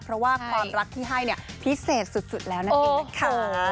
เพราะว่าความรักที่ให้เนี่ยพิเศษสุดแล้วนั่นเองนะคะ